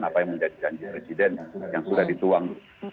supaya menjadi janji presiden yang sudah dituang